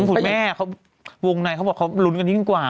คุณแม่เขาวงในเขาบอกเขาลุ้นกันยิ่งกว่า